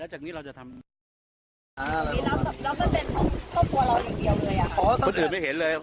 ยังรู้ว่าพวกน้องชาย